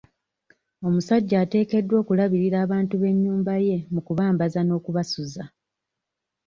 Omusajja ateekeddwa okulabirira abantu b'ennyumba ye mu kubambaza n'okubasuza.